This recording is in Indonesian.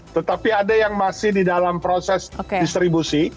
tetapi ada yang masih di dalam proses distribusi